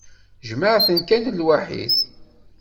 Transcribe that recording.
Jemɛet-ten kan lwaḥid.